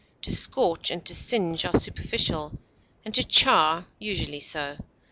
To scorch and to singe are superficial, and to char usually so.